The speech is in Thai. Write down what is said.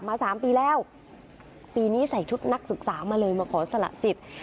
สามปีแล้วปีนี้ใส่ชุดนักศึกษามาเลยมาขอสละสิทธิ์